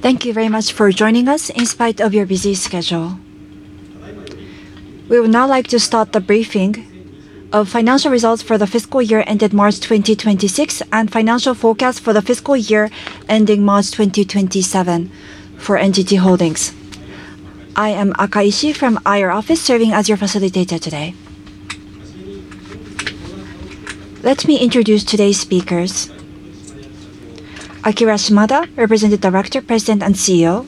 Thank you very much for joining us in spite of your busy schedule. We would now like to start the briefing of financial results for the fiscal year ended March 2026, and financial forecast for the fiscal year ending March 2027 for NTT Holdings. I am Akaishi from IR Office, serving as your facilitator today. Let me introduce today's speakers. Akira Shimada, Representative Director, President, and CEO.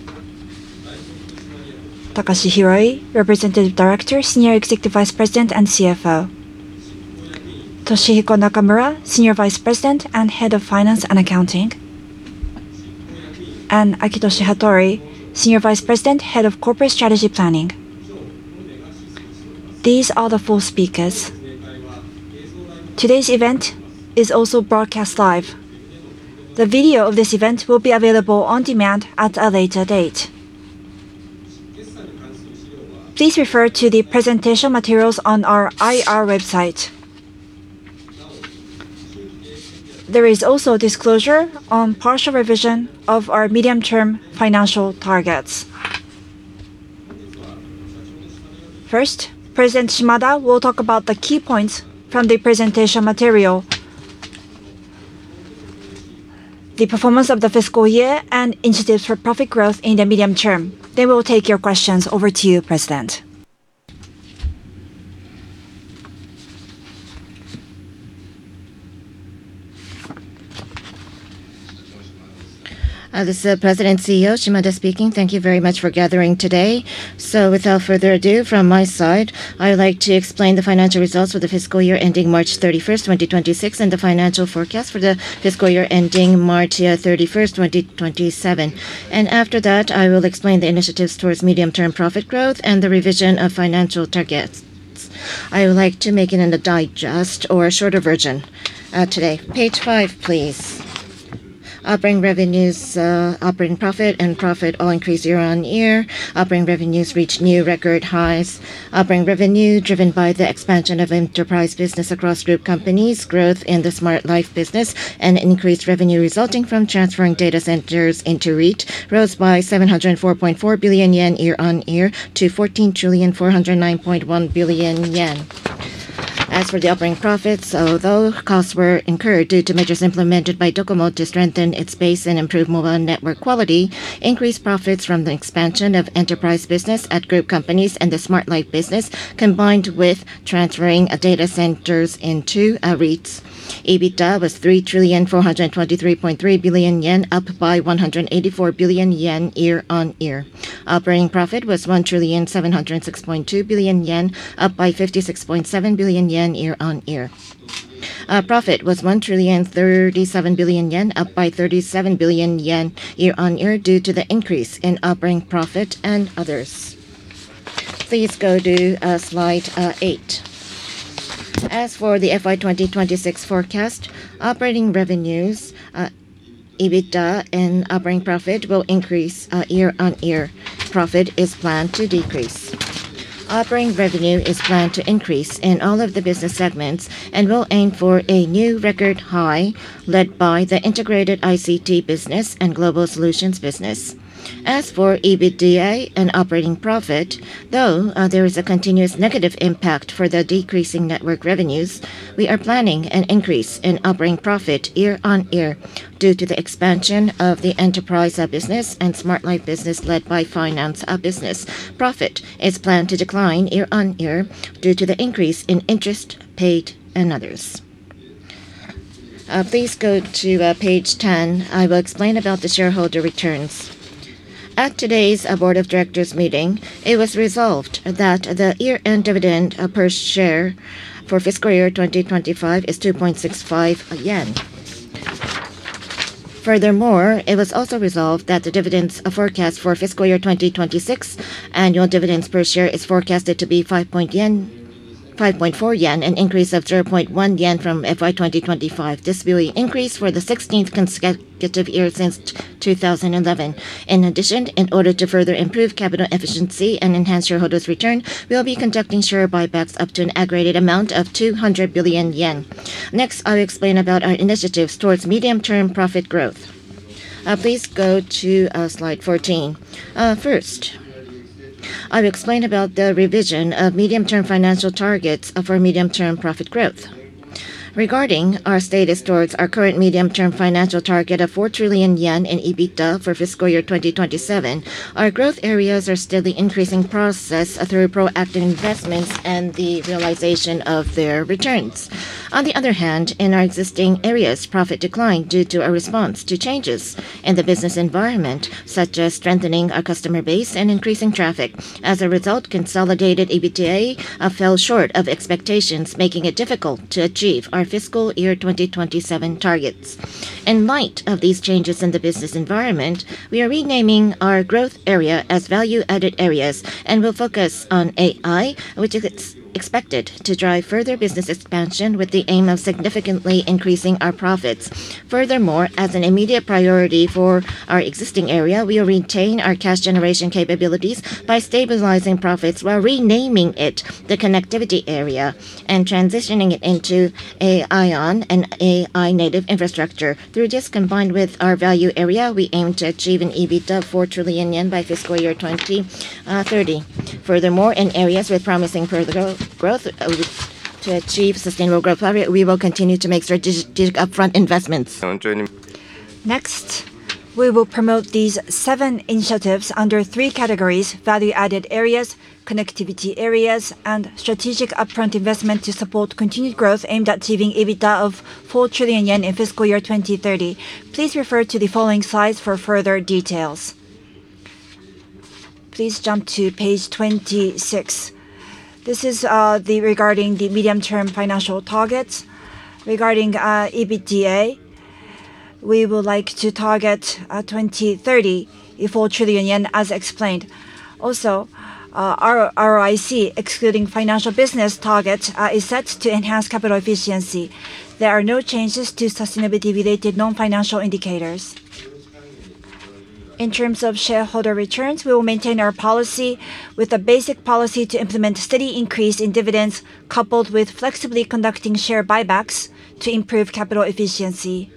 Takashi Hiroi, Representative Director, Senior Executive Vice President, and CFO. Toshihiko Nakamura, Senior Vice President and Head of Finance and Accounting. Akitoshi Hattori, Senior Vice President, Head of Corporate Strategy Planning. These are the four speakers. Today's event is also broadcast live. The video of this event will be available on demand at a later date. Please refer to the presentation materials on our IR website. There is also disclosure on partial revision of our medium-term financial targets. First, President Shimada will talk about the key points from the presentation material. The performance of the fiscal year and initiatives for profit growth in the medium term. We'll take your questions. Over to you, President. This is President CEO Shimada speaking. Thank you very much for gathering today. Without further ado, from my side, I would like to explain the financial results for the fiscal year ending March 31st, 2026, and the financial forecast for the fiscal year ending March 31st, 2027. After that, I will explain the initiatives towards medium-term profit growth and the revision of financial targets. I would like to make it in a digest or a shorter version today. Page 5, please. Operating revenues, operating profit and profit all increased year-on-year. Operating revenues reached new record highs. Operating revenue, driven by the expansion of enterprise business across group companies, growth in the Smart Life business, and increased revenue resulting from transferring data centers into REIT, rose by 704.4 billion yen year-on-year to 14,409.1 billion yen. As for the operating profits, although costs were incurred due to measures implemented by DOCOMO to strengthen its base and improve mobile network quality, increased profits from the expansion of enterprise business at group companies and the Smart Life business, combined with transferring data centers into REITs. EBITDA was 3,423.3 billion yen, up by 184 billion yen year-on-year. Operating profit was 1,706.2 billion yen, up by 56.7 billion yen year-on-year. Profit was 1 trillion 37 billion, up by 37 billion yen year on year due to the increase in operating profit and others. Please go to slide 8. As for the FY 2026 forecast, operating revenues, EBITDA and operating profit will increase year on year. Profit is planned to decrease. Operating revenue is planned to increase in all of the business segments and will aim for a new record high led by the Integrated ICT Business and Global Solutions Business. As for EBITDA and operating profit, though, there is a continuous negative impact for the decreasing network revenues, we are planning an increase in operating profit year on year due to the expansion of the enterprise business and Smart Life Business led by finance business. Profit is planned to decline year on year due to the increase in interest paid and others. Please go to page 10. I will explain about the shareholder returns. At today's board of directors meeting, it was resolved that the year-end dividend per share for fiscal year 2025 is 2.65 yen. Furthermore, it was also resolved that the dividends forecast for fiscal year 2026 annual dividends per share is forecasted to be 5.4 yen, an increase of 0.1 yen from FY 2025. This will increase for the 16th consecutive year since 2011. In addition, in order to further improve capital efficiency and enhance shareholders' return, we'll be conducting share buybacks up to an aggregated amount of 200 billion yen. Next, I'll explain about our initiatives towards medium-term profit growth. Please go to slide 14. First, I'll explain about the revision of medium-term financial targets of our medium-term profit growth. Regarding our status towards our current medium-term financial target of 4 trillion yen in EBITDA for fiscal year 2027, our growth areas are still the increasing process through proactive investments and the realization of their returns. On the other hand, in our existing areas, profit declined due to a response to changes in the business environment, such as strengthening our customer base and increasing traffic. As a result, consolidated EBITDA fell short of expectations, making it difficult to achieve our fiscal year 2027 targets. In light of these changes in the business environment, we are renaming our growth area as Value-Added Areas and will focus on AI, which is expected to drive further business expansion with the aim of significantly increasing our profits. Furthermore, as an immediate priority for our existing area, we will retain our cash generation capabilities by stabilizing profits while renaming it the Connectivity Area and transitioning it into an IOWN and AI native infrastructure. Through this, combined with our Value Area, we aim to achieve an EBITDA of 4 trillion yen by fiscal year 2030. Furthermore, in areas with promising further growth, to achieve sustainable growth, we will continue to make strategic upfront investments. Next, we will promote these seven initiatives under three categories: value-added areas, connectivity areas, and strategic upfront investment to support continued growth aimed at achieving EBITDA of 4 trillion yen in fiscal year 2030. Please refer to the following slides for further details. Please jump to page 26. This is the regarding the medium-term financial targets. Regarding EBITDA, we would like to target 2030 4 trillion yen as explained. Also, our ROIC excluding financial business targets is set to enhance capital efficiency. There are no changes to sustainability-related non-financial indicators. In terms of shareholder returns, we will maintain our policy with a basic policy to implement steady increase in dividends coupled with flexibly conducting share buybacks to improve capital efficiency.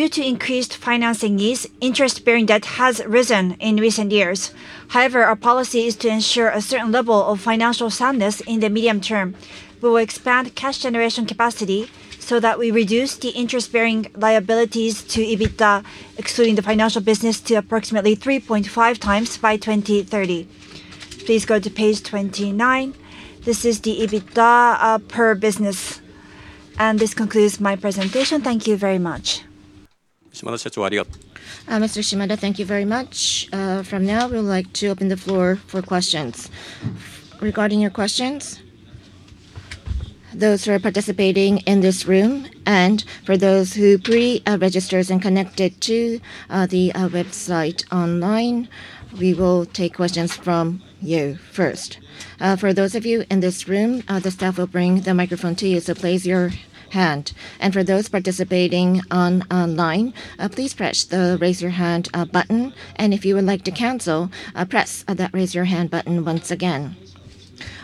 Due to increased financing needs, interest-bearing debt has risen in recent years. However, our policy is to ensure a certain level of financial soundness in the medium term. We will expand cash generation capacity so that we reduce the interest-bearing liabilities to EBITDA, excluding the financial business, to approximately 3.5 times by 2030. Please go to page 29. This is the EBITDA per business. This concludes my presentation. Thank you very much. Mr. Shimada, thank you very much. From now, we would like to open the floor for questions. Regarding your questions, those who are participating in this room and for those who registered and connected to the website online, we will take questions from you first. For those of you in this room, the staff will bring the microphone to you, so please raise your hand. For those participating online, please press the Raise Your Hand Button. If you would like to cancel, press that Raise Your Hand Button once again.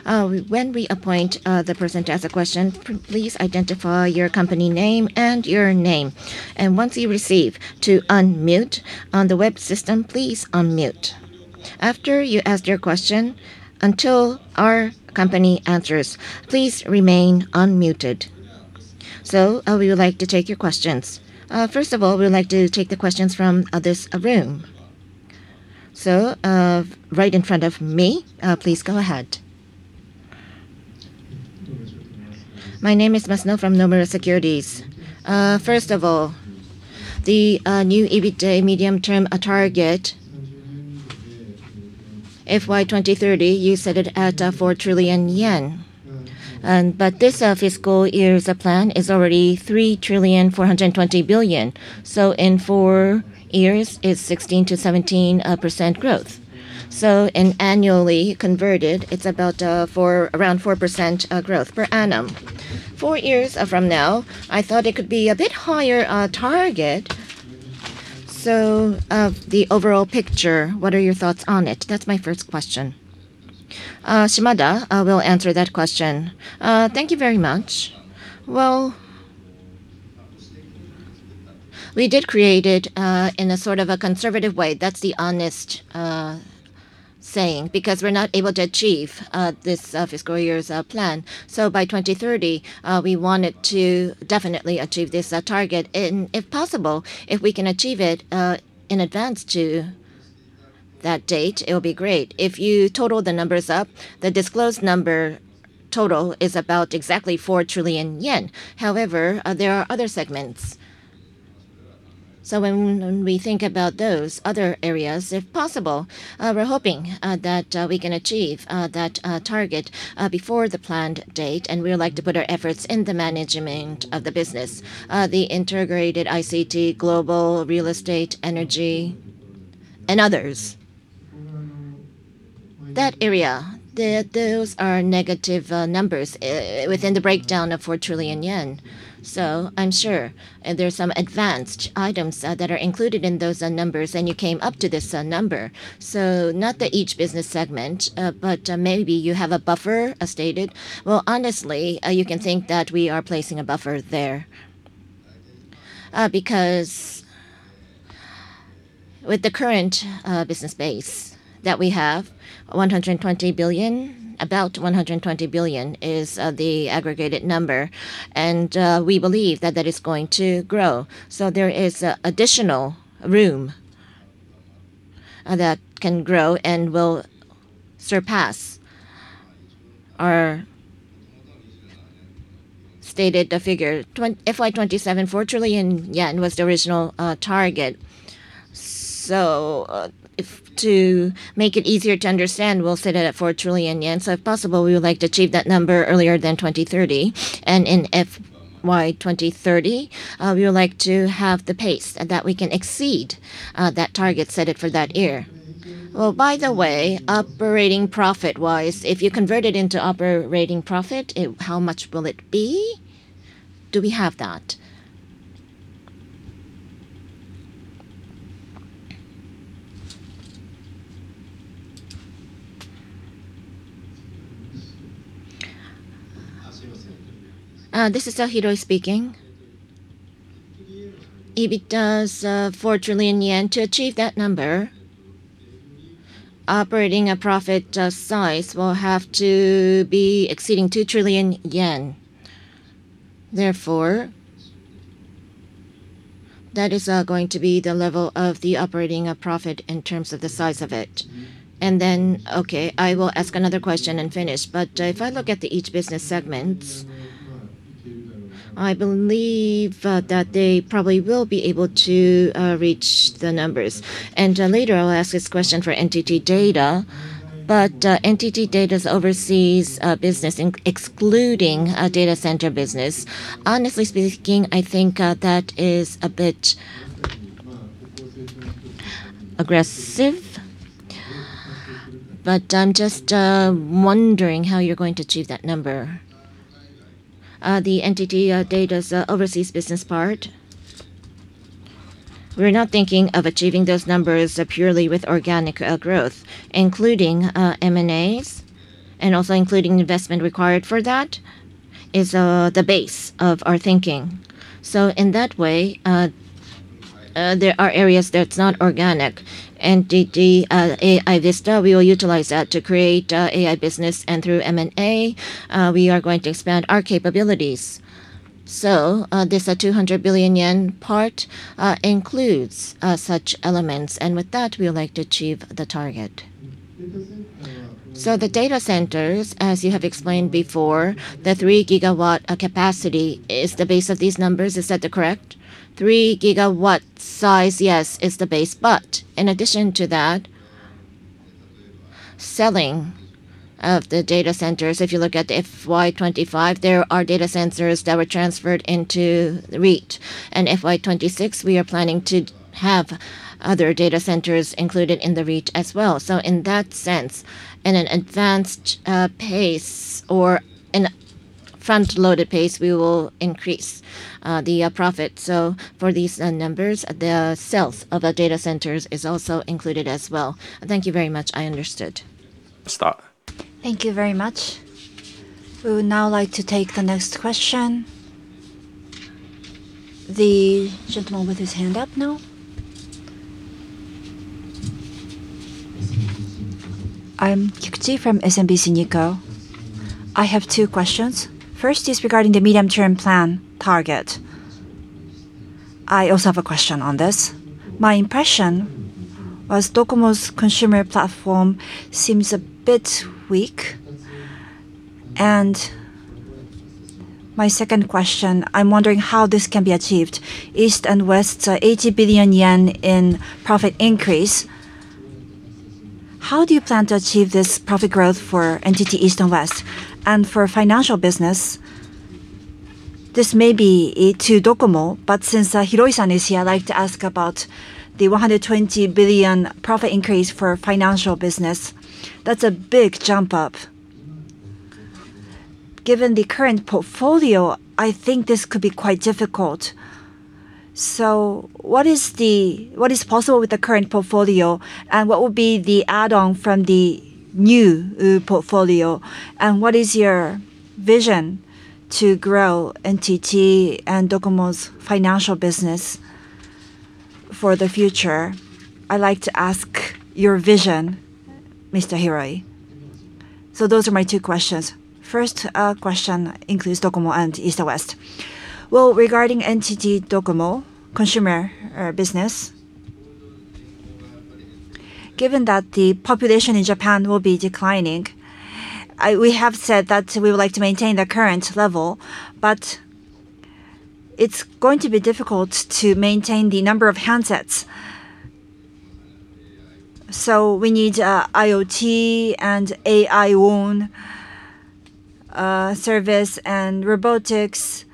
When we appoint the person to ask a question, please identify your company name and your name. Once you receive to unmute on the web system, please unmute. After you ask your question, until our company answers, please remain unmuted. We would like to take your questions. First of all, we would like to take the questions from this room. Right in front of me, please go ahead. My name is Masuno from Nomura Securities. First of all, the new EBITDA medium-term target, FY 2030, you set it at 4 trillion yen. This fiscal year's plan is already 3,420 billion. In 4 years, it's 16%-17% growth. In annually converted, it's about around 4% growth per annum. Four years from now, I thought it could be a bit higher target. The overall picture, what are your thoughts on it? That's my first question. Shimada will answer that question. Thank you very much. Well, we did create it in a sort of a conservative way. That's the honest saying because we're not able to achieve this fiscal year's plan. By 2030, we wanted to definitely achieve this target. If possible, if we can achieve it in advance to that date, it'll be great. If you total the numbers up, the disclosed number total is about exactly 4 trillion yen. However, there are other segments. When we think about those other areas, if possible, we're hoping that we can achieve that target before the planned date, and we would like to put our efforts in the management of the business. The Integrated ICT, global real estate, energy, and others. That area, those are negative numbers within the breakdown of 4 trillion yen. I'm sure there's some advanced items that are included in those numbers, and you came up to this number. Not that each business segment, but maybe you have a buffer, as stated. Well, honestly, you can think that we are placing a buffer there. Because with the current business base that we have, 120 billion, about 120 billion is the aggregated number. We believe that that is going to grow. There is additional room that can grow and will surpass our stated figure. FY 2027, 4 trillion yen was the original target. If to make it easier to understand, we'll set it at 4 trillion yen. If possible, we would like to achieve that number earlier than 2030. In FY 2030, we would like to have the pace that we can exceed, that target set it for that year. Well, by the way, operating profit-wise, if you convert it into operating profit, how much will it be? Do we have that? This is Takashi Hiroi speaking. EBITDA's 4 trillion yen. To achieve that number, operating a profit size will have to be exceeding 2 trillion yen. That is going to be the level of the operating profit in terms of the size of it. Okay, I will ask another question and finish. If I look at the each business segment, I believe that they probably will be able to reach the numbers. Later I'll ask this question for NTT Data, but NTT Data's overseas business excluding data center business. Honestly speaking, I think that is a bit aggressive. I'm just wondering how you're going to achieve that number. The NTT Data's overseas business part. We're not thinking of achieving those numbers purely with organic growth. Including M&As, and also including investment required for that, is the base of our thinking. In that way, there are areas that's not organic. NTT DATA AIVista, we will utilize that to create AI business and through M&A, we are going to expand our capabilities. This 200 billion yen part includes such elements. And with that, we would like to achieve the target. The data centers, as you have explained before, the 3 gigawatt capacity is the base of these numbers. Is that the correct? 3 gigawatt size, yes, is the base. In addition to that, selling of the data centers, if you look at FY 2025, there are data centers that were transferred into REIT. FY 2026, we are planning to have other data centers included in the REIT as well. In that sense, in an advanced pace or in a front-loaded pace, we will increase the profit. For these numbers, the sales of the data centers is also included as well. Thank you very much. I understood. Thank you very much. We would now like to take the next question. The gentleman with his hand up now. I'm Kikuchi from SMBC Nikko Securities. I have two questions. First is regarding the medium-term plan target. I also have a question on this. My impression was NTT DOCOMO's consumer platform seems a bit weak. My second question, I'm wondering how this can be achieved. NTT East and West, 80 billion yen in profit increase. How do you plan to achieve this profit growth for NTT East and West? For financial business, this may be to NTT DOCOMO, but since Hiroi-san is here, I'd like to ask about the 120 billion JPY profit increase for financial business. That's a big jump up. Given the current portfolio, I think this could be quite difficult. What is possible with the current portfolio, and what will be the add-on from the new portfolio? What is your vision to grow NTT and DOCOMO's financial business for the future? I'd like to ask your vision, Mr. Hiroi. Those are my two questions. First, question includes DOCOMO and NTT East and West. Regarding NTT DOCOMO consumer business, given that the population in Japan will be declining, we have said that we would like to maintain the current level. It's going to be difficult to maintain the number of handsets. We need IoT and IOWN service and robotics.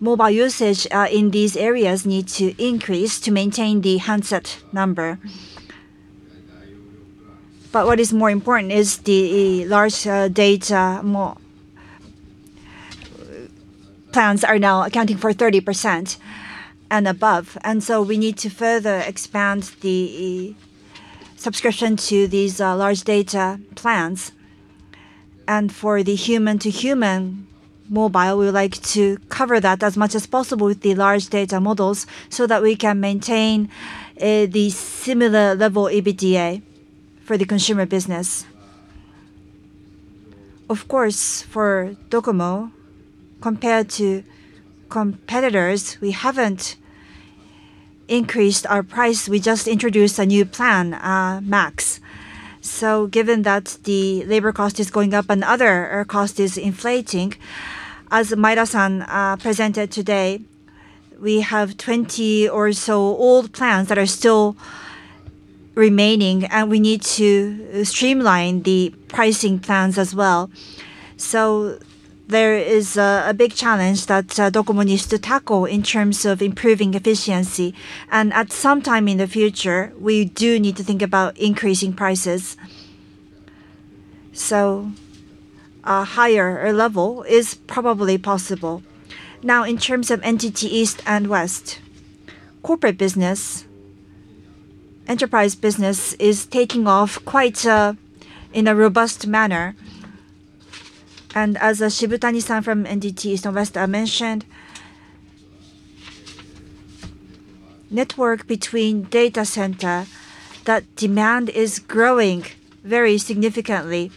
Mobile usage in these areas need to increase to maintain the handset number. What is more important is the large data plans are now accounting for 30% and above. We need to further expand the subscription to these large data plans. For the human-to-human mobile, we would like to cover that as much as possible with the large data models so that we can maintain the similar level EBITDA for the consumer business. Of course, for DOCOMO, compared to competitors, we haven't increased our price. We just introduced a new plan, docomo MAX. Given that the labor cost is going up and other cost is inflating, as Maeda-san presented today, we have 20 or so old plans that are still remaining, and we need to streamline the pricing plans as well. There is a big challenge that DOCOMO needs to tackle in terms of improving efficiency. At some time in the future, we do need to think about increasing prices. A higher level is probably possible. Now, in terms of NTT East and West, corporate business, enterprise business is taking off quite in a robust manner. As Shibutani-san from NTT East and West mentioned, network between data center, that demand is growing very significantly.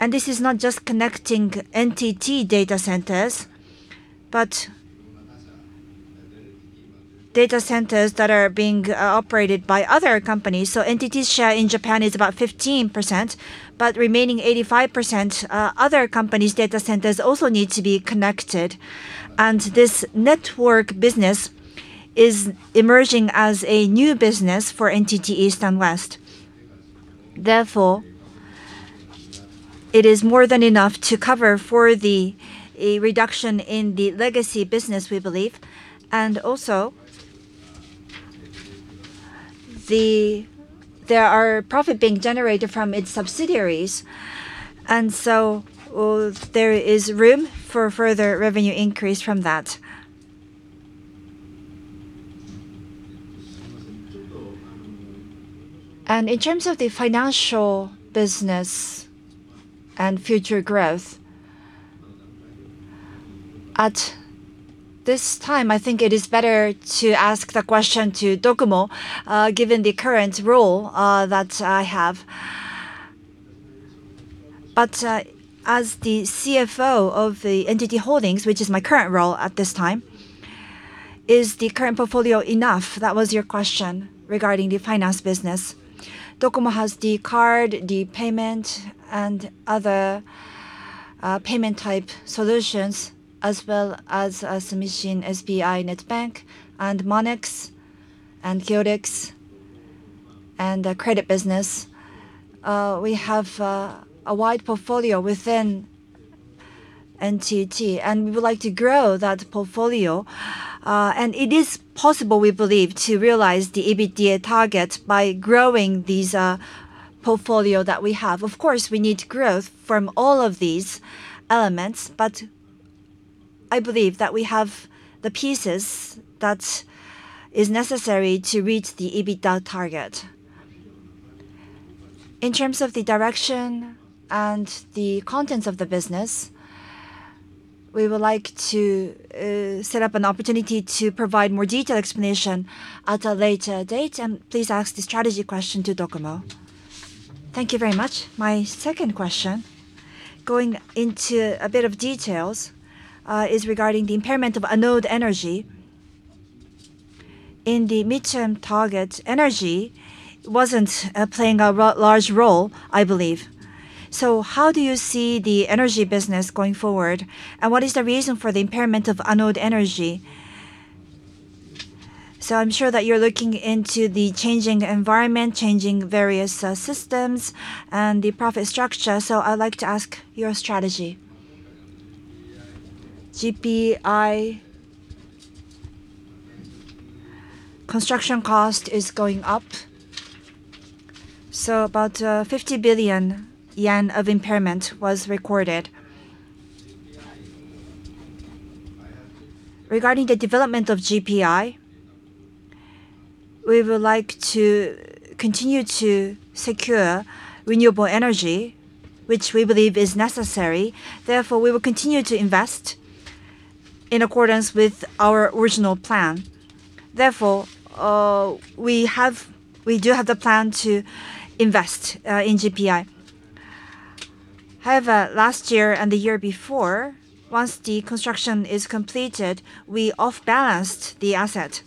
This is not just connecting NTT data centers, but data centers that are being operated by other companies. NTT's share in Japan is about 15%, but remaining 85%, other companies' data centers also need to be connected. This network business is emerging as a new business for NTT East and West. Therefore, it is more than enough to cover for the, a reduction in the legacy business, we believe. Also, there are profit being generated from its subsidiaries, there is room for further revenue increase from that. In terms of the financial business and future growth, at this time, I think it is better to ask the question to DOCOMO, given the current role that I have. As the CFO of the NTT Holdings, which is my current role at this time, is the current portfolio enough? That was your question regarding the finance business. DOCOMO has the card, the payment, and other payment type solutions, as well as SBI Sumishin Net Bank, Monex, and ORIX Credit, and the credit business. We have a wide portfolio within NTT, and we would like to grow that portfolio. It is possible, we believe, to realize the EBITDA target by growing these portfolio that we have. Of course, we need growth from all of these elements, but I believe that we have the pieces that is necessary to reach the EBITDA target. In terms of the direction and the contents of the business, we would like to set up an opportunity to provide more detailed explanation at a later date. Please ask the strategy question to DOCOMO. Thank you very much. My second question, going into a bit of details, is regarding the impairment of ENNET. In the midterm target energy wasn't playing a large role, I believe. How do you see the energy business going forward, and what is the reason for the impairment of ENNET? I'm sure that you're looking into the changing environment, changing various systems and the profit structure. I'd like to ask your strategy. GPI construction cost is going up, so about 50 billion yen of impairment was recorded. Regarding the development of GPI, we would like to continue to secure renewable energy, which we believe is necessary. We will continue to invest in accordance with our original plan. We do have the plan to invest in GPI. Last year and the year before, once the construction is completed, we off-balanced the asset.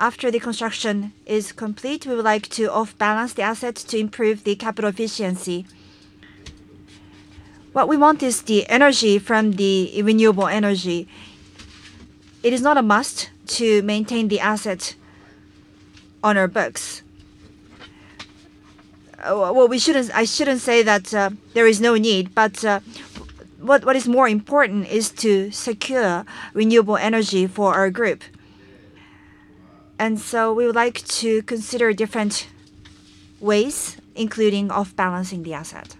After the construction is complete, we would like to off-balance the asset to improve the capital efficiency. What we want is the energy from the renewable energy. It is not a must to maintain the asset on our books. I shouldn't say that there is no need, but what is more important is to secure renewable energy for our group. We would like to consider different ways, including off-balancing the asset.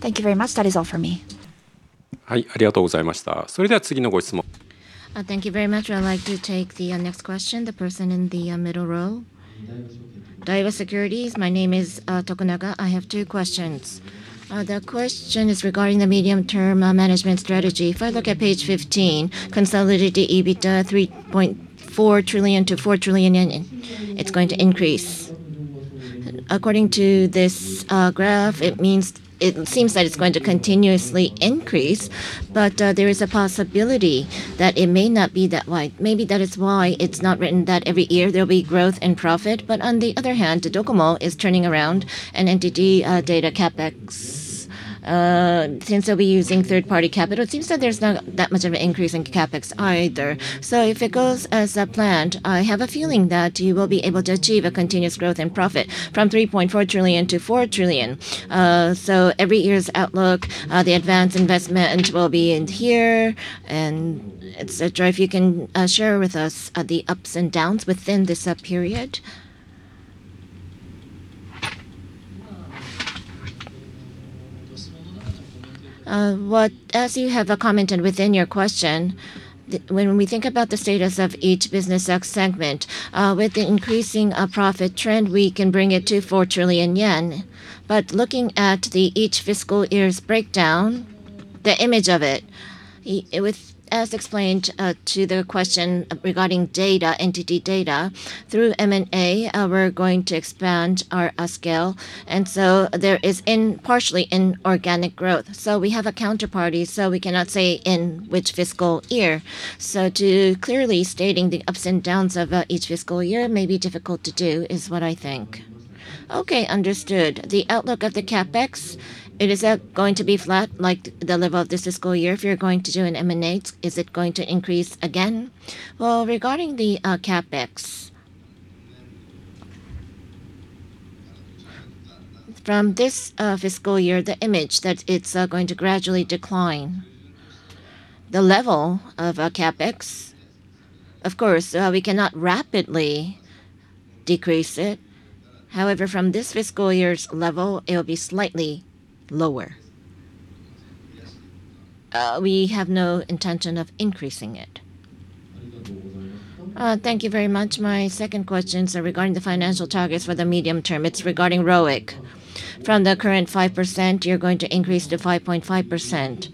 Thank you very much. That is all for me. Thank you very much. I'd like to take the next question. The person in the middle row. Daiwa Securities. My name is Tokunaga. I have two questions. The question is regarding the medium-term management strategy. If I look at page 15, consolidated EBITDA, 3.4 trillion to 4 trillion yen, it's going to increase. According to this graph, it seems that it's going to continuously increase. There is a possibility that it may not be that wide. Maybe that is why it's not written that every year there'll be growth and profit. On the other hand, DOCOMO is turning around an entity, data CapEx. Since they'll be using third-party capital, it seems that there's not that much of an increase in CapEx either. If it goes as planned, I have a feeling that you will be able to achieve a continuous growth in profit from 3.4 trillion to 4 trillion. Every year's outlook, the advanced investment will be in here and etc. If you can share with us the ups and downs within this period. As you have commented within your question, when we think about the status of each business segment, with the increasing profit trend, we can bring it to 4 trillion yen. Looking at each fiscal year's breakdown, the image of it, As explained to the question regarding data, NTT DATA, through M&A, we're going to expand our scale. There is partially in organic growth. We have a counterparty, so we cannot say in which fiscal year. To clearly stating the ups and downs of each fiscal year may be difficult to do, is what I think. Okay, understood. The outlook of the CapEx, it is going to be flat like the level of this fiscal year. If you're going to do an M&A, is it going to increase again? Regarding the CapEx, from this fiscal year, the image that it's going to gradually decline. The level of CapEx, of course, we cannot rapidly decrease it. From this fiscal year's level, it'll be slightly lower. We have no intention of increasing it. Thank you very much. My second question, regarding the financial targets for the medium term. It's regarding ROIC. From the current 5%, you're going to increase to 5.5%.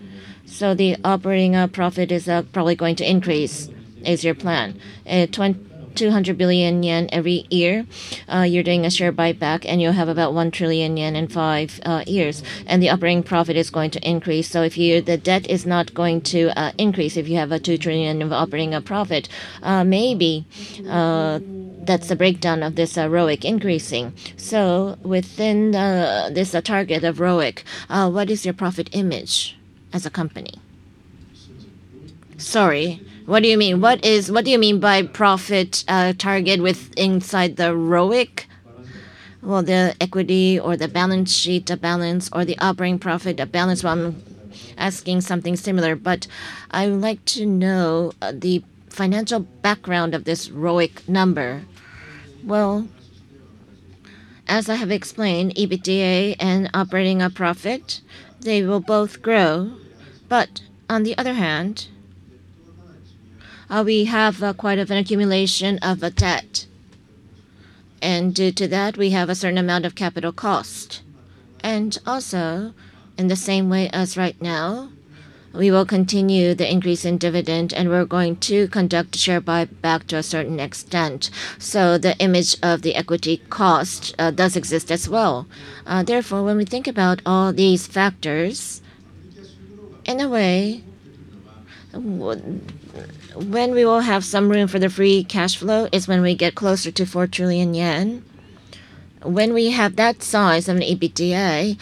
The operating profit is probably going to increase, is your plan. 200 billion yen every year. You're doing a share buyback, you'll have about 1 trillion yen in 5 years. The operating profit is going to increase. The debt is not going to increase if you have 2 trillion of operating profit. Maybe that's the breakdown of this ROIC increasing. Within this target of ROIC, what is your profit image as a company? Sorry, what do you mean? What do you mean by profit target with inside the ROIC? Well, the equity or the balance sheet balance or the operating profit balance. Well, I'm asking something similar, but I would like to know the financial background of this ROIC number. Well, as I have explained, EBITDA and operating profit, they will both grow. On the other hand, we have quite of an accumulation of debt. Due to that, we have a certain amount of capital cost. Also, in the same way as right now, we will continue the increase in dividend, and we're going to conduct share buyback to a certain extent. The image of the equity cost does exist as well. Therefore, when we think about all these factors, in a way, when we will have some room for the free cash flow is when we get closer to 4 trillion yen. When we have that size of an EBITDA,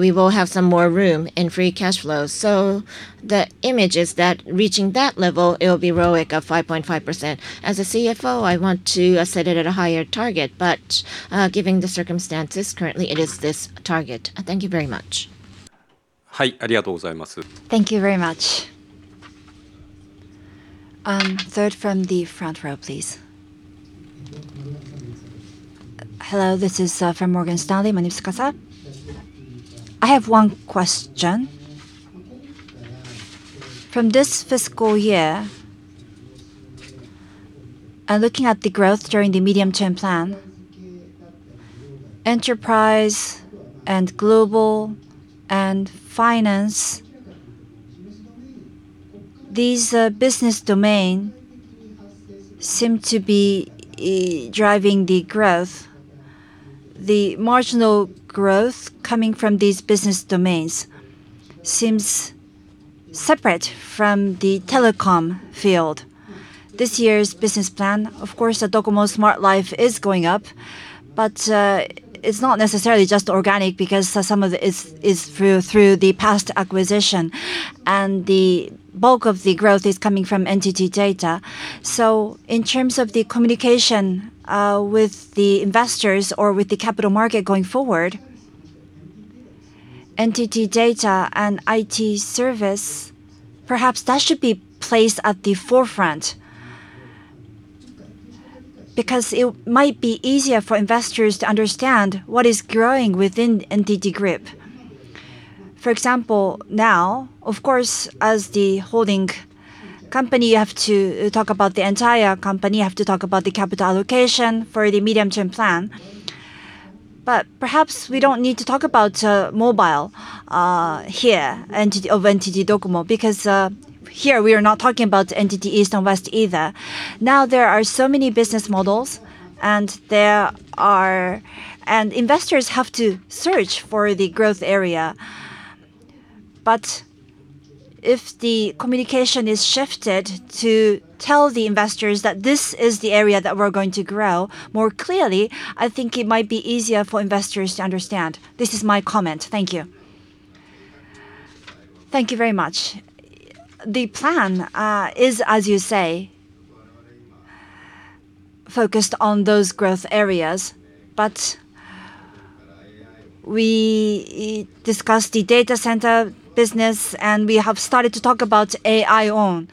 we will have some more room in free cash flow. The image is that reaching that level, it'll be ROIC of 5.5%. As a CFO, I want to set it at a higher target. Giving the circumstances, currently it is this target. Thank you very much. Thank you very much. Third from the front row, please. Hello, this is from Morgan Stanley, My name is Tsusaka. I have one question. From this fiscal year, and looking at the growth during the medium-term plan, enterprise and global and finance, these business domain seem to be driving the growth. The marginal growth coming from these business domains seems separate from the telecom field. This year's business plan, of course, the DOCOMO Smart Life is going up. It's not necessarily just organic because some of it is through the past acquisition. The bulk of the growth is coming from NTT Data. In terms of the communication with the investors or with the capital market going forward, NTT Data and IT service, perhaps that should be placed at the forefront. It might be easier for investors to understand what is growing within NTT Group. For example, now, of course, as the holding company, you have to talk about the entire company. You have to talk about the capital allocation for the medium-term plan. Perhaps we don't need to talk about mobile here, NTT of NTT DOCOMO because here we are not talking about NTT East and West either. Now, there are so many business models, and investors have to search for the growth area. If the communication is shifted to tell the investors that this is the area that we're going to grow more clearly, I think it might be easier for investors to understand. This is my comment. Thank you. Thank you very much. The plan is, as you say, focused on those growth areas. We discussed the data center business, and we have started to talk about IOWN.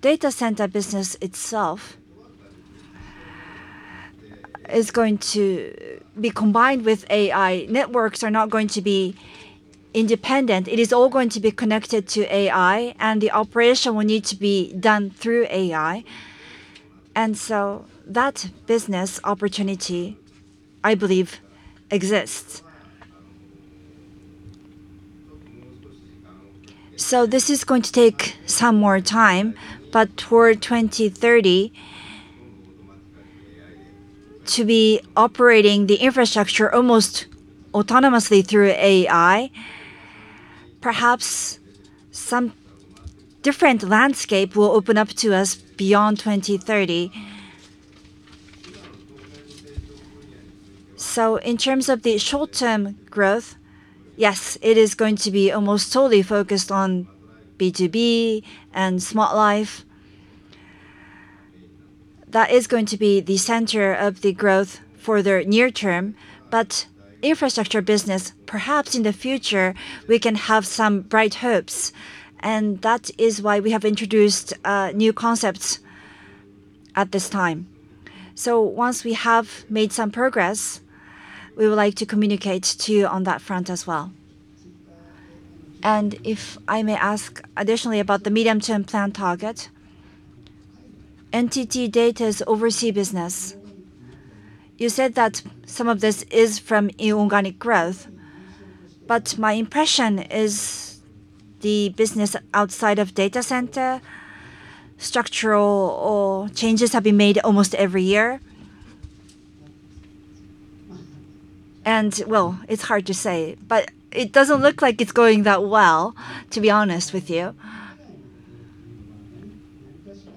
Data center business itself is going to be combined with AI. Networks are not going to be independent. It is all going to be connected to AI, and the operation will need to be done through AI. That business opportunity, I believe, exists. This is going to take some more time, but toward 2030, to be operating the infrastructure almost autonomously through AI, perhaps some different landscape will open up to us beyond 2030. In terms of the short-term growth, yes, it is going to be almost totally focused on B2B and Smart Life. That is going to be the center of the growth for the near term. Infrastructure business, perhaps in the future, we can have some bright hopes, and that is why we have introduced new concepts at this time. Once we have made some progress, we would like to communicate to you on that front as well. If I may ask additionally about the medium-term plan target, NTT DATA's overseas business. You said that some of this is from inorganic growth, but my impression is the business outside of data center, structural or changes have been made almost every year. Well, it's hard to say, but it doesn't look like it's going that well, to be honest with you.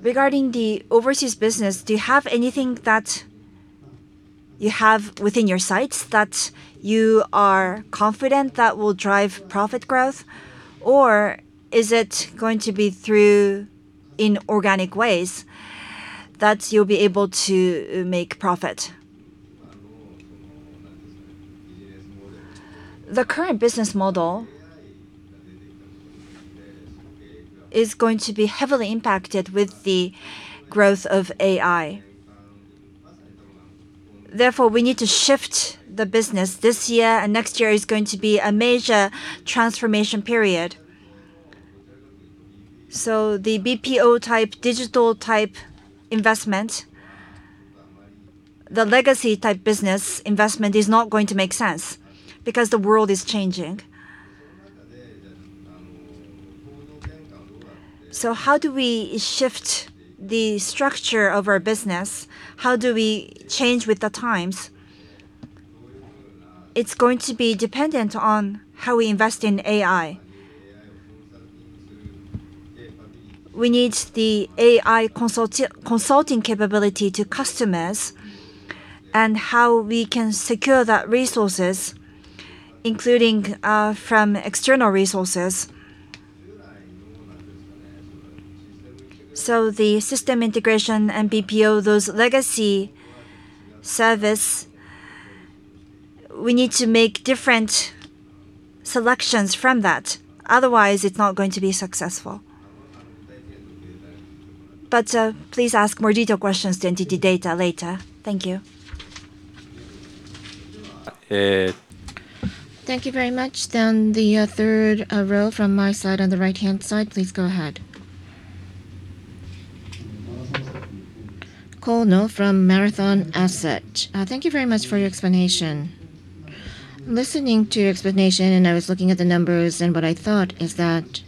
Regarding the overseas business, do you have anything that you have within your sights that you are confident that will drive profit growth? Is it going to be through inorganic ways that you'll be able to make profit? The current business model is going to be heavily impacted with the growth of AI. Therefore, we need to shift the business. This year and next year is going to be a major transformation period. The BPO type, digital type investment, the legacy type business investment is not going to make sense because the world is changing. How do we shift the structure of our business? How do we change with the times? It's going to be dependent on how we invest in AI. We need the AI consulting capability to customers and how we can secure that resources, including from external resources. The system integration and BPO, those legacy service, we need to make different selections from that. Otherwise, it's not going to be successful. Please ask more detailed questions to NTT Data later. Thank you. Thank you very much. The third row from my side on the right-hand side, please go ahead. Kono from Marathon Asset. Thank you very much for your explanation. Listening to your explanation, and I was looking at the numbers, and what I thought is that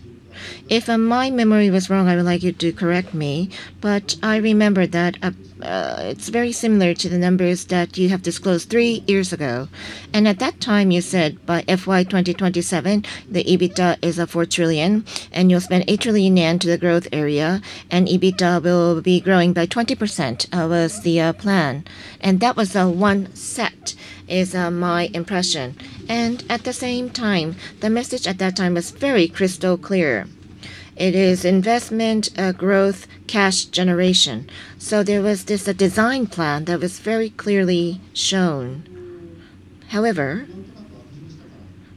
if my memory was wrong, I would like you to correct me. I remember that it's very similar to the numbers that you have disclosed three years ago. At that time, you said by FY 2027, the EBITDA is 4 trillion, and you'll spend 8 trillion yen to the growth area, and EBITDA will be growing by 20%, was the plan. That was one set, is my impression. At the same time, the message at that time was very crystal clear. It is investment, growth, cash generation. There was this design plan that was very clearly shown. However,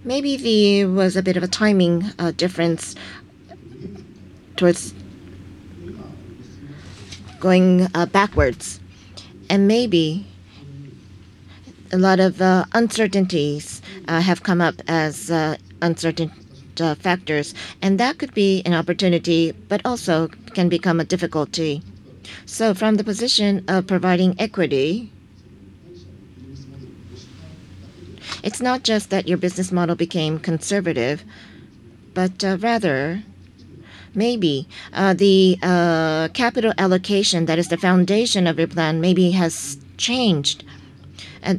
maybe there was a bit of a timing difference towards going backwards. Maybe a lot of uncertainties have come up as uncertain factors. That could be an opportunity, but also can become a difficulty. From the position of providing equity, it's not just that your business model became conservative, but rather maybe the capital allocation that is the foundation of your plan maybe has changed.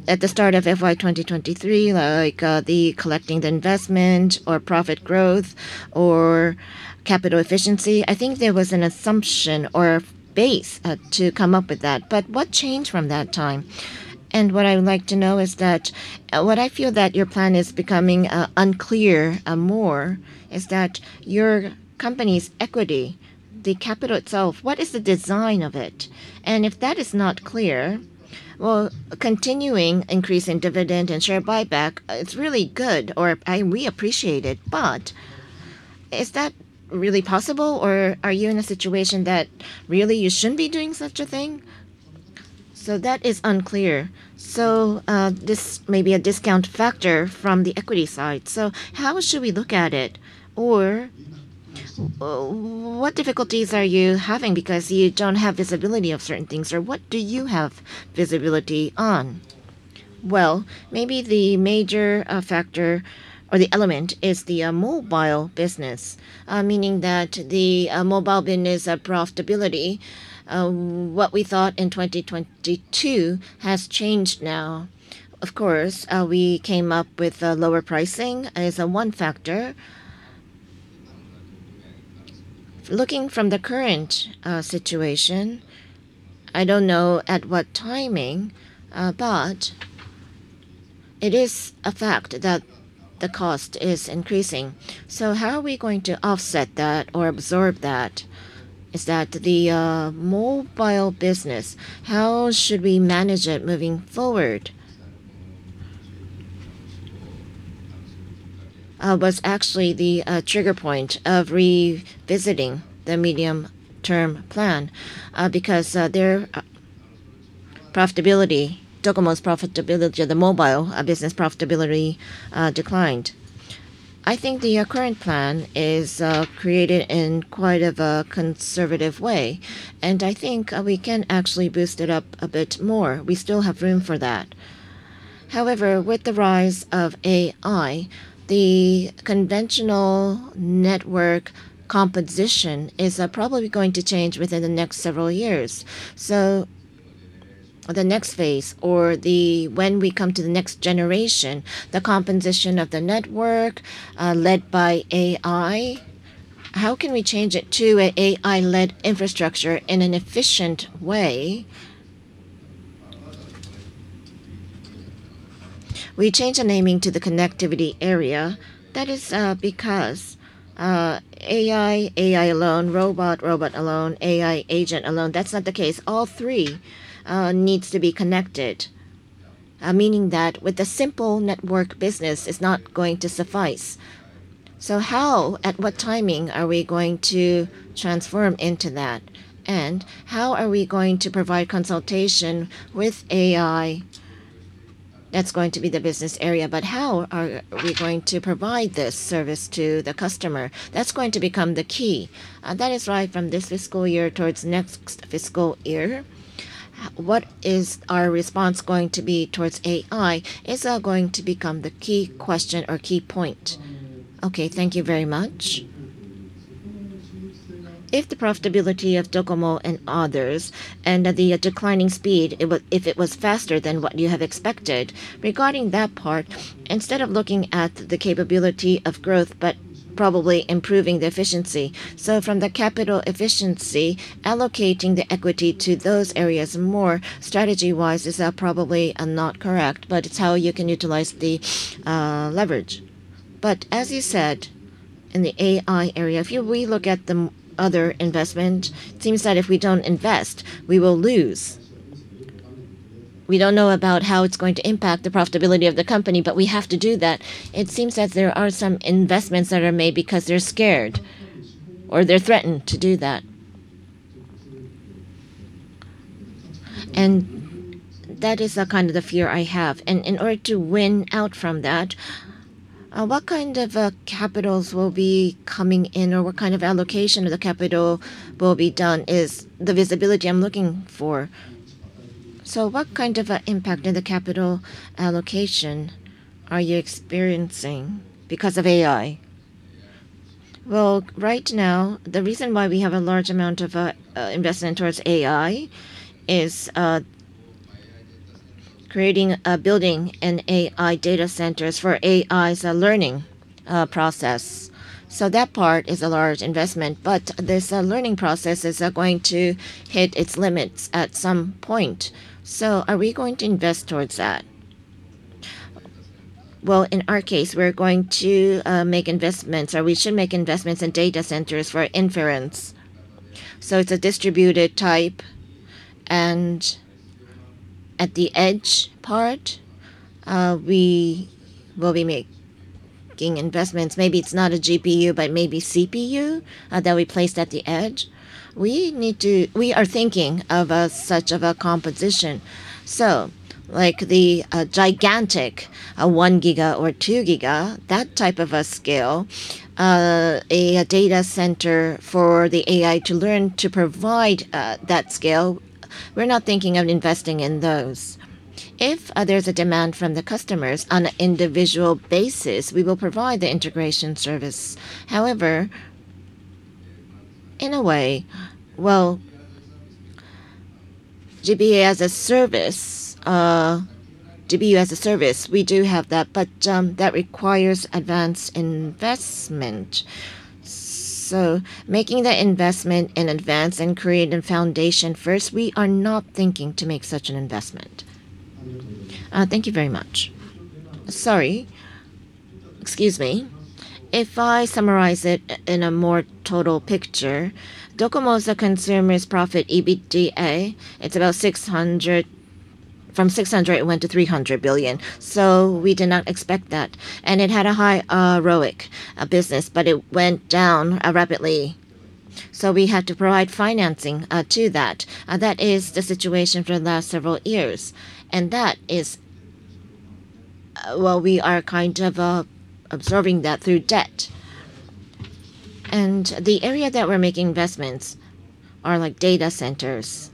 At the start of FY 2023, like the collecting the investment or profit growth or capital efficiency, I think there was an assumption or base to come up with that. What changed from that time? What I would like to know is that, what I feel that your plan is becoming unclear more is that your company's equity, the capital itself, what is the design of it? If that is not clear, well, continuing increase in dividend and share buyback, it's really good or we appreciate it. Is that really possible or are you in a situation that really you shouldn't be doing such a thing? That is unclear. This may be a discount factor from the equity side. How should we look at it or, what difficulties are you having because you don't have visibility of certain things or what do you have visibility on? Maybe the major factor or the element is the mobile business, meaning that the mobile business profitability, what we thought in 2022 has changed now. Of course, we came up with a lower pricing as one factor. Looking from the current situation, I don't know at what timing, but it is a fact that the cost is increasing. How are we going to offset that or absorb that? Is that the mobile business, how should we manage it moving forward? Was actually the trigger point of revisiting the medium-term plan, because their profitability, DOCOMO's profitability or the mobile business profitability, declined. I think the current plan is created in quite of a conservative way, and I think we can actually boost it up a bit more. We still have room for that. With the rise of AI, the conventional network composition is probably going to change within the next several years. The next phase or the when we come to the next generation, the composition of the network, led by AI, how can we change it to AI-led infrastructure in an efficient way? We change the naming to the connectivity area. That is because AI alone, robot alone, AI agent alone, that's not the case. All three needs to be connected, meaning that with the simple network business is not going to suffice. How, at what timing are we going to transform into that? How are we going to provide consultation with AI? That's going to be the business area, but how are we going to provide this service to the customer? That's going to become the key. That is right from this fiscal year towards next fiscal year. What is our response going to be towards AI is going to become the key question or key point. Okay, thank you very much. If the profitability of DOCOMO and others and at the declining speed, if it was faster than what you have expected, regarding that part, instead of looking at the capability of growth, but probably improving the efficiency. From the capital efficiency, allocating the equity to those areas more strategy-wise is probably not correct, but it's how you can utilize the leverage. As you said, in the AI area, if you re-look at the other investment, it seems that if we don't invest, we will lose. We don't know about how it's going to impact the profitability of the company, but we have to do that. It seems that there are some investments that are made because they're scared or they're threatened to do that. That is kind of the fear I have. In order to win out from that, what kind of capitals will be coming in or what kind of allocation of the capital will be done is the visibility I'm looking for. What kind of a impact in the capital allocation are you experiencing because of AI? Right now, the reason why we have a large amount of investment towards AI is creating building an AI data centers for AI's learning process. That part is a large investment, but this learning process is going to hit its limits at some point. Are we going to invest towards that? In our case, we're going to make investments, or we should make investments in data centers for inference. It's a distributed type. At the edge part, we will be making investments. Maybe it's not a GPU, but maybe CPU that we placed at the edge. We are thinking of such of a composition. Like the gigantic 1 giga or 2 giga, that type of a scale, a data center for the AI to learn to provide that scale, we're not thinking of investing in those. If there's a demand from the customers on an individual basis, we will provide the integration service. However, in a way, well, GPU as a service, Workspace-as-a-Service, we do have that, but that requires advanced investment. Making that investment in advance and creating a foundation first, we are not thinking to make such an investment. Thank you very much. Sorry. Excuse me. If I summarize it in a more total picture, DOCOMO's consumer's profit EBITDA, it's about 600, it went to 300 billion. We did not expect that. It had a high ROIC business, but it went down rapidly. We had to provide financing to that. That is the situation for the last several years. That is, well, we are kind of absorbing that through debt. The area that we're making investments are like data centers,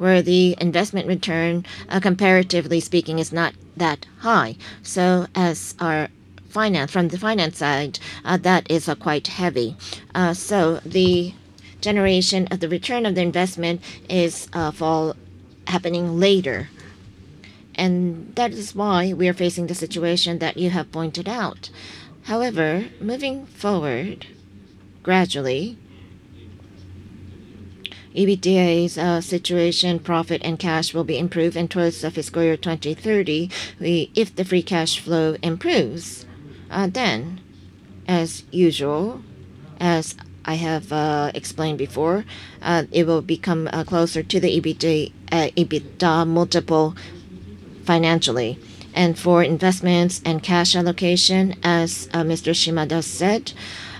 where the investment return, comparatively speaking, is not that high. From the finance side, that is quite heavy. The generation of the return of the investment is happening later. That is why we are facing the situation that you have pointed out. However, moving forward, gradually, EBITDA's situation, profit and cash will be improved. Towards the fiscal year 2030, if the free cash flow improves, then, as usual, as I have explained before, it will become closer to the EBITDA multiple financially. For investments and cash allocation, as Mr. Shimada said,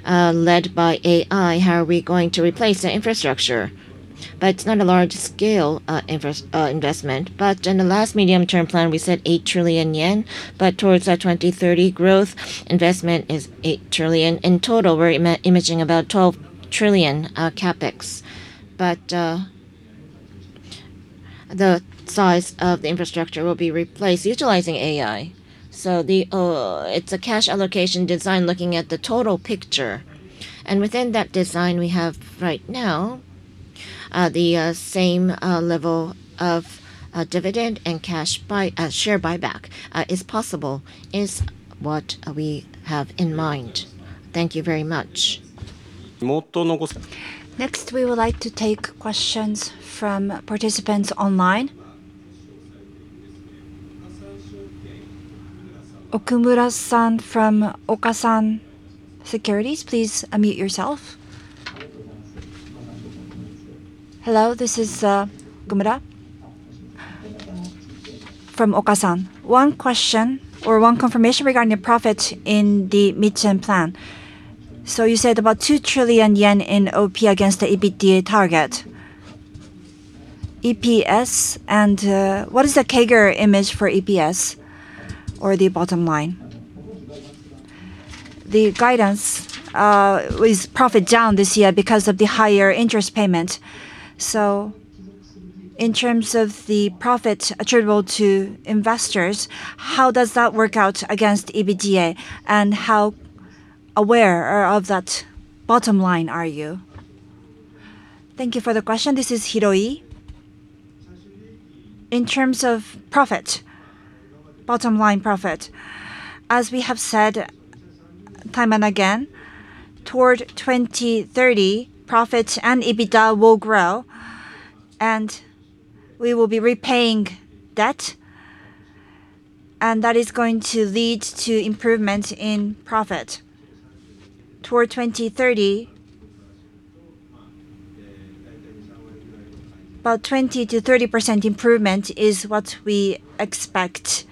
led by AI, how are we going to replace the infrastructure? It's not a large-scale investment. In the last medium-term plan, we said 8 trillion yen. Towards our 2030 growth, investment is 8 trillion. In total, we're imaging about 12 trillion CapEx. The size of the infrastructure will be replaced utilizing AI. It's a cash allocation design looking at the total picture. Within that design we have right now the same level of dividend and share buyback is possible, is what we have in mind. Thank you very much. Next, we would like to take questions from participants online. Okumura-san from Okasan Securities, please unmute yourself. Hello, this is Okumura from Okasan. One question or one confirmation regarding profit in the mid-term plan. You said about 2 trillion yen in OP against the EBITDA target. EPS and, what is the CAGR image for EPS or the bottom line? The guidance, is profit down this year because of the higher interest payment. In terms of the profit attributable to investors, how does that work out against EBITDA? How aware of that bottom line are you? Thank you for the question. This is Hiroi. In terms of profit, bottom line profit, as we have said time and again, toward 2030, profit and EBITDA will grow, and we will be repaying debt, and that is going to lead to improvement in profit. Toward 2030, about 20%-30% improvement is what we expect.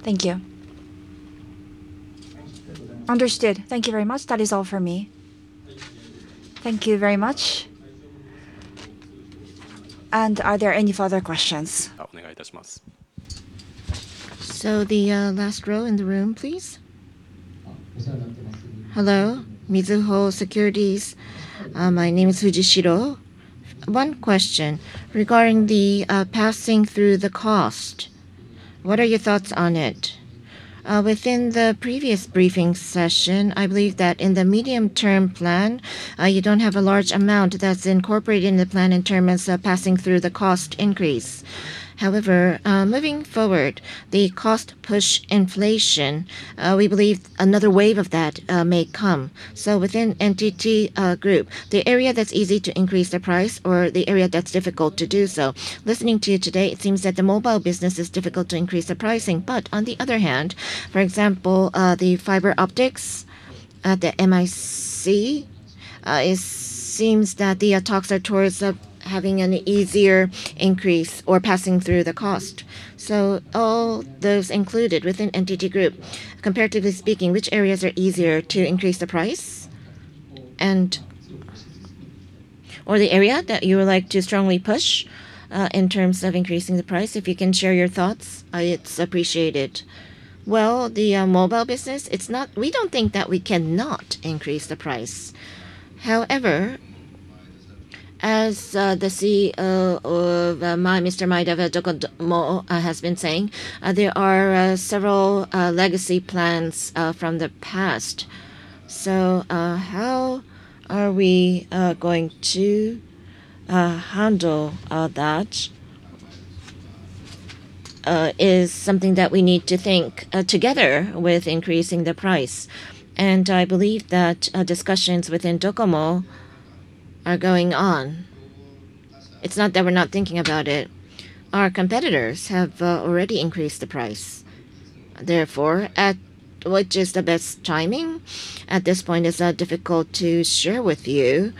Thank you. Understood. Thank you very much. That is all for me. Thank you very much. Are there any further questions? The last row in the room, please. Hello, Mizuho Securities. My name is Fujishiro. One question regarding the passing through the cost. What are your thoughts on it? Within the previous briefing session, I believe that in the medium-term plan, you don't have a large amount that's incorporated in the plan in term as passing through the cost increase. Moving forward, the cost push inflation, we believe another wave of that may come. Within NTT Group, the area that's easy to increase the price or the area that's difficult to do so. Listening to you today, it seems that the mobile business is difficult to increase the pricing. On the other hand, for example, the fiber optics, the MIC, it seems that the talks are towards having an easier increase or passing through the cost. All those included within NTT Group, comparatively speaking, which areas are easier to increase the price? Or the area that you would like to strongly push in terms of increasing the price. If you can share your thoughts, it's appreciated. Well, the mobile business, We don't think that we cannot increase the price. However, as the CEO Motoyuki Ii has been saying, there are several legacy plans from the past. How are we going to handle that is something that we need to think together with increasing the price. I believe that discussions within DOCOMO are going on. It's not that we're not thinking about it. Our competitors have already increased the price. Therefore, at which is the best timing at this point is difficult to share with you.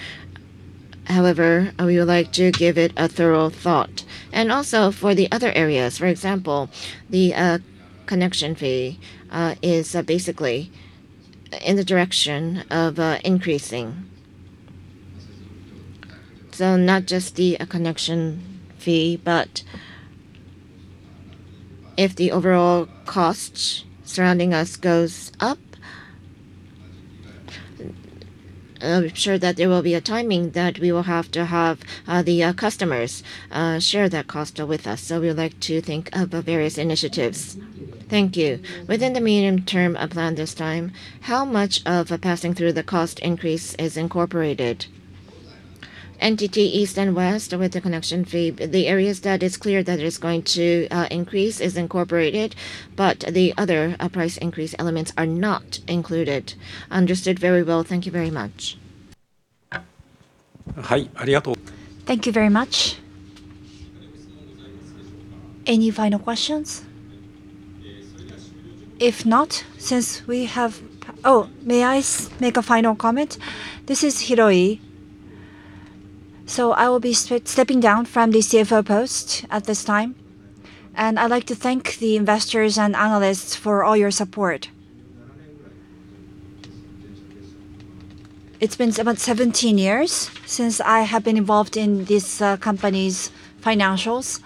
However, we would like to give it a thorough thought. Also for the other areas, for example, the connection fee is basically in the direction of increasing. Not just the connection fee, but if the overall cost surrounding us goes up, I'm sure that there will be a timing that we will have to have the customers share that cost with us. We would like to think of various initiatives. Thank you. Within the medium-term plan this time, how much of passing through the cost increase is incorporated? NTT East and West with the connection fee, the areas that is clear that it is going to increase is incorporated, but the other price increase elements are not included. Understood very well. Thank you very much. Thank you very much. Any final questions? If not, since we have. May I make a final comment? This is Hiroi. I will be stepping down from the CFO post at this time, and I'd like to thank the investors and analysts for all your support. It's been about 17 years since I have been involved in this company's financials,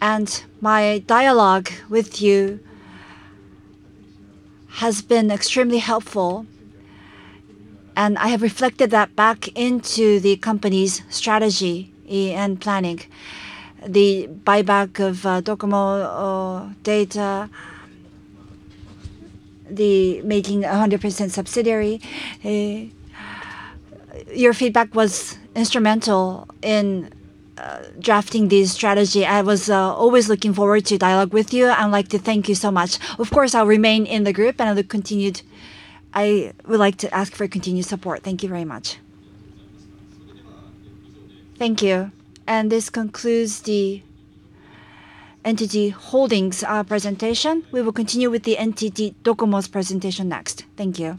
and my dialogue with you has been extremely helpful, and I have reflected that back into the company's strategy and planning. The buyback of NTT DOCOMO, the making a 100% subsidiary. Your feedback was instrumental in drafting this strategy. I was always looking forward to dialogue with you. I would like to thank you so much. Of course, I'll remain in the group, and I would like to ask for your continued support. Thank you very much. Thank you. This concludes the NTT Holdings presentation. We will continue with the NTT DOCOMO's presentation next. Thank you.